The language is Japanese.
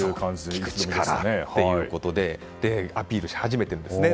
聞く力ということでアピールし始めているんですね。